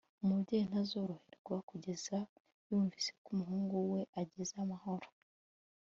umubyeyi ntazoroherwa kugeza yumvise ko umuhungu we ageze amahoro